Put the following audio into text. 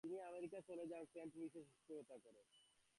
তিনি আমেরিকা চলে যান এবং সেন্ট লুইসে শিক্ষকতা করেন।